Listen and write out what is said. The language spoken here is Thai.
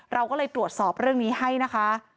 เราก็เลยตรวจสอบเรื่องนี้ให้นะคะ